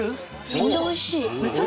めっちゃ美味しい？